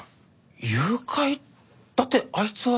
誘拐？だってあいつは。